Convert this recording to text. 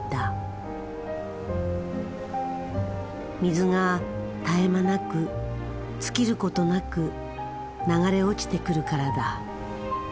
水が絶え間なく尽きることなく流れ落ちてくるからだ。